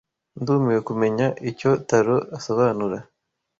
Ndumiwe kumenya icyo Taro asobanura